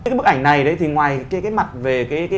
cái bức ảnh này thì ngoài cái mặt về